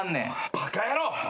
バカ野郎！